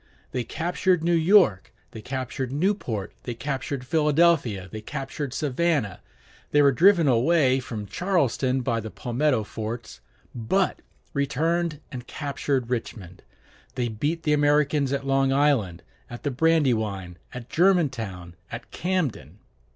They captured New York, they captured Newport, they captured Philadelphia, they captured Savannah; they were driven away from Charleston by the palmetto forts, but returned and captured Richmond. They beat the Americans at Long Island, at the Brandywine, at Germantown, at Camden.